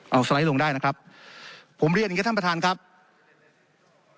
เอาสไลด์ลงได้นะครับผมเรียนอย่างนี้ท่านประธานครับ